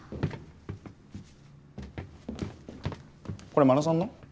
これ真野さんの？